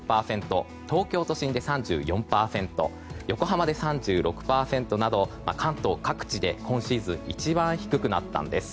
東京都心で３４％横浜で３６％など関東各地で今シーズンで一番低くなったんです。